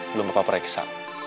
belum apa apa reksa